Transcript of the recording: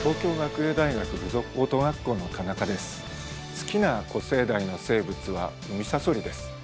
好きな古生代の生物はウミサソリです。